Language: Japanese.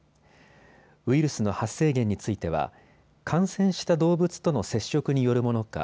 ウイルスの発生源については感染した動物との接触によるものか